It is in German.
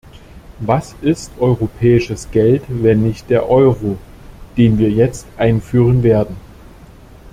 Was ist europäisches Geld, wenn nicht der Euro, den wir jetzt einführen werden?